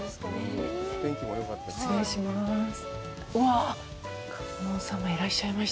失礼します。